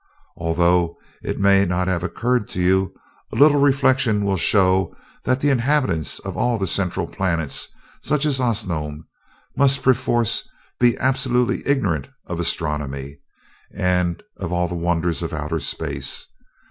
Although it may not have occurred to you, a little reflection will show that the inhabitants of all the central planets, such as Osnome, must perforce be absolutely ignorant of astronomy, and of all the wonders of outer space.